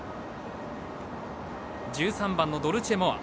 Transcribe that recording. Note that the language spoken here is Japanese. １３番ドルチェモア。